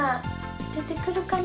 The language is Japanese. でてくるかな？